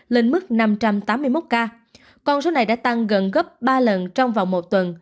lên mức năm trăm tám mươi một ca còn số này đã tăng gần gấp ba lần trong vòng một tuần